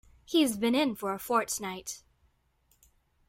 He's been in for a fortnight.